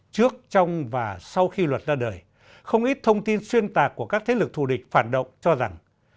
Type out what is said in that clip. trước trong và sau khi luật ra đời không ít thông tin xuyên tạc của các thế lực thù địch phản động cho rằng